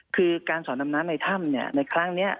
คือการสอนดำน้ำในถ้ำในครั้งนี้